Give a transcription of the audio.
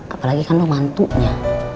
apalagi kan lu mantunya